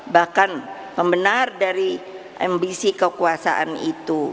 bahkan pembenar dari ambisi kekuasaan itu